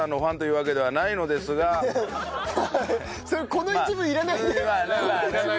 この一文いらない。